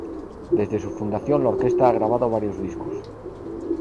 Desde su fundación la orquesta ha grabado varios discos.